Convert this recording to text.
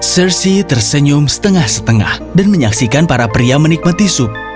sersi tersenyum setengah setengah dan menyaksikan para pria menikmati sup